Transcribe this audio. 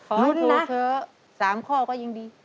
รุ้นนะขอให้ถูกเธอ๓ข้อก็ยิ่งดี